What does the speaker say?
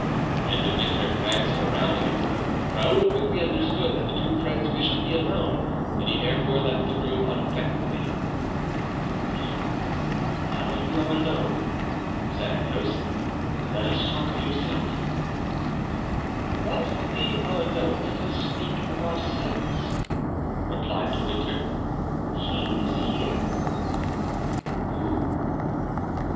And De Winter glancing around him, Raoul quickly understood that the two friends wished to be alone and he therefore left the room unaffectedly. "Come, now that we are alone," said Athos, "let us talk of yourself." "Whilst we are alone let us speak of ourselves," replied De Winter. "He is here." "Who?"